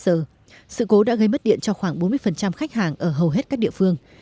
sự cố đã gây mất điện cho khoảng bốn mươi khách hàng ở hầu hết các địa phương